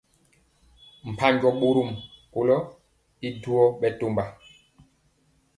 Mpanjɔ bɔrɔm kolo y duoi bɛtɔmba.